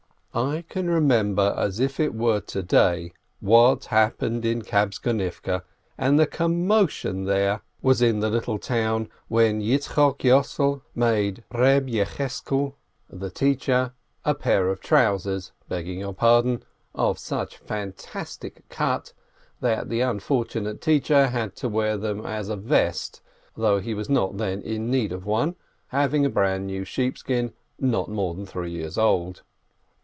I can remember as if it were to day what happened in Kabtzonivke, and the commotion there was in the little town when Yitzchok Yossel made Reb Yecheskel the 16 238 LERNEB teacher a pair of trousers (begging your pardon!) of such fantastic cut that the unfortunate teacher had to wear them as a vest, though he was not then in need of one, having a brand new sheepskin not more than three years old.